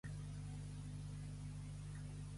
En quin idioma es va basar en tota la seva carrera laboral?